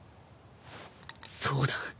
そうだ